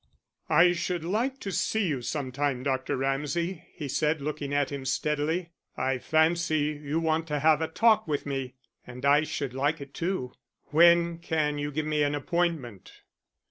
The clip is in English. "I should like to see you sometime, Dr. Ramsay," he said, looking at him steadily. "I fancy you want to have a talk with me, and I should like it too. When can you give me an appointment?"